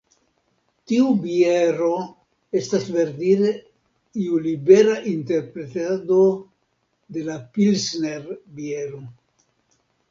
Tiu biero estas verdire iu libera interpretado de la Pilsner-biero.